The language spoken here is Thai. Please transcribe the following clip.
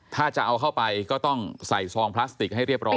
ถ้าจะเอาเข้าไปก็ต้องใส่ซองพลาสติกให้เรียบร้อย